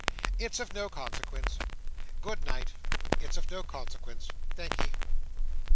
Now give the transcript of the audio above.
"It's of no consequence. Good night. It's of no consequence, thank'ee!"